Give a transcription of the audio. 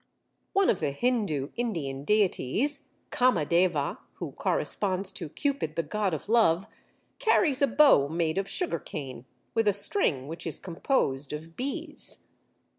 One of the Hindu Indian deities, Kámadeva, who corresponds to Cupid, the God of Love, carries a bow made of sugar cane, with a string which is composed of bees.